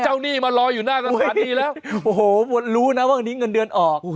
หนี้มารออยู่หน้าสถานีแล้วโอ้โหรู้นะว่าวันนี้เงินเดือนออก